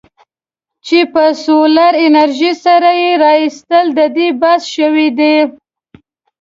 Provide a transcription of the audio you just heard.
چې په سولري انرژۍ سره یې رایستل د دې باعث شویدي.